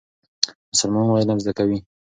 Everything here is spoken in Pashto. مسلمانان علم زده کوي.